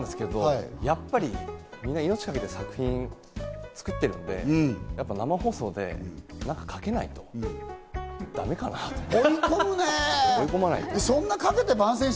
いろいろ考えて、いろんな案が出たんですけど、やっぱりみんな、命をかけて作品を作ってるので、生放送でかけないとだめかなと思って。